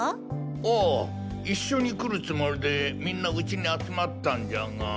ああ一緒に来るつもりでみんなウチに集まったんじゃが。